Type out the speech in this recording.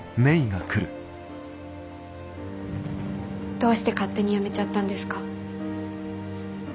どうして勝手に辞めちゃったんですか。